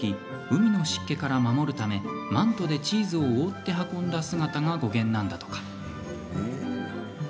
海の湿気から守るためマントでチーズを覆って運んだ姿が語源なんだとか。